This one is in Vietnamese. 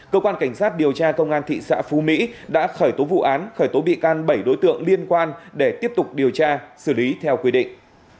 cơ quan cảnh sát điều tra công an thị xã phú mỹ đã khởi tố vụ án khởi tố bị can bảy đối tượng liên quan để tiếp tục điều tra xử lý theo quy định